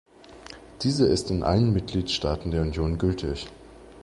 Diese ist in allen Mitgliedstaaten der Union gültig.